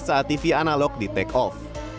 saat tv analog di take off